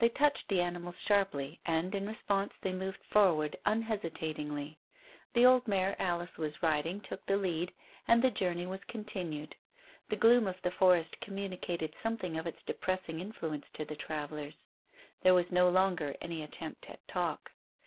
They touched the animals sharply, and, in response, they moved forward unhesitatingly. The old mare Alice was riding took the lead, and the journey was continued. The gloom of the forest communicated something of its depressing influence to the travellers. There was no longer any attempt at talk.